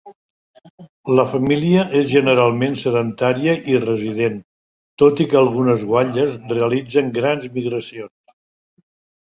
La família és generalment sedentària i resident, tot i que algunes guatlles realitzen grans migracions.